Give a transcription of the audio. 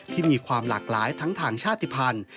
ที่มีความหลากหลายทั้งทางชาติภัณฑ์